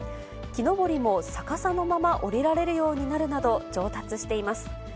木登りも逆さのまま下りられるようになるなど上達しています。